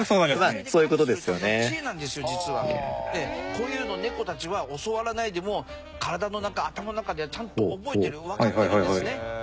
こういうの猫たちは教わらないでも体の中頭の中ではちゃんと覚えてるわかってるんですね。